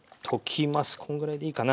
こんぐらいでいいかなはい。